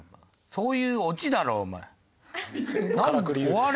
そういうオチだろお前。